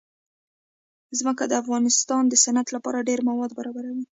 ځمکه د افغانستان د صنعت لپاره ډېر مواد برابروي.